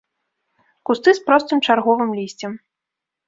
Кусты з простым чарговым лісцем.